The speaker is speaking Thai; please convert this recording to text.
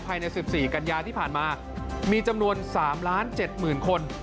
ภายใน๑๔กัญญาที่ผ่านมามีจำนวน๓ล้าน๗หมื่นคน